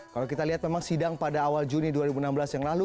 kalau kita lihat memang sidang pada awal juni dua ribu enam belas yang lalu